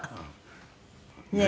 ねえ。